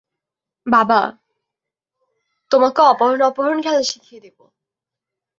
বাবা, তোমাকেও অপহরণ অপহরণ খেলা শিখিয়ে দিবো।